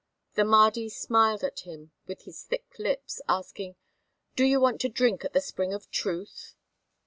The Mahdi smiled at him with his thick lips, asking: "Do you want to drink at the spring of truth?"